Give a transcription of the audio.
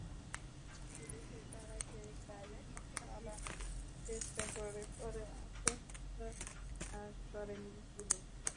পুলিশের তাড়া খেয়ে গাড়ি নিয়ে পালানোর চেষ্টা করে পরে আত্মহত্যা করেন তিনি।